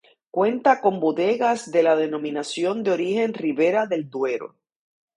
Cuenta con bodegas de la Denominación de Origen Ribera del Duero.